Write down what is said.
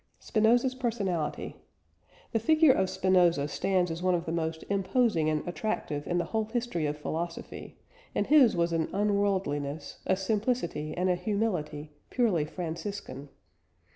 SPINOZA'S PERSONALITY. The figure of Spinoza stands as one of the most imposing and attractive in the whole history of philosophy, and his was an unworldliness, a simplicity, and a humility purely Franciscan.